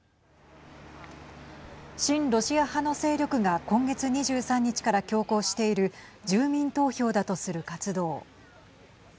親ロシア派の勢力が今月２３日から強行している住民投票だとする活動。